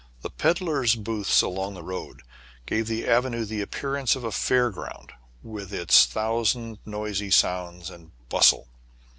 The peddlers' booths along the road gave the avenue the appearance of a fair ground with its thousand noisy sounds and bus tle.